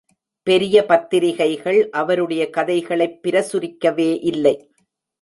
பெரிய பத்திரிகைகள், அவருடைய கதைகளைப் பிரசுரிக்கவே இல்லை.